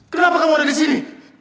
kenapa kamu ada di sini